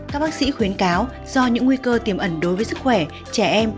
các bác sĩ khuyến cáo do những nguy cơ tiềm ẩn đối với sức khỏe trẻ em